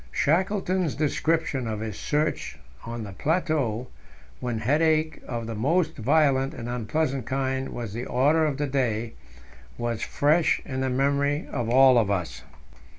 Shackleton's description of his march on the plateau, when headache of the most violent and unpleasant kind was the order of the day, was fresh in the memory of all of us.